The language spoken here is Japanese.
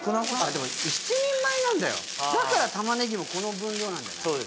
でも１人前なんだよだから玉ねぎもこの分量なんじゃない？